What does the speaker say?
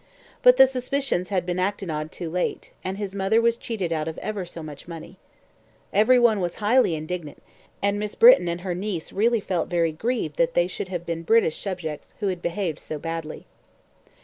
But the suspicions had been acted on too late, and his mother was cheated out of ever so much money. Every one was highly indignant, and Miss Britton and her niece really felt very grieved that they should have been British subjects who had behaved so badly.